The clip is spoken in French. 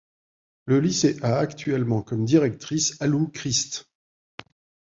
Le lycée a actuellement comme directrice Allou Christ.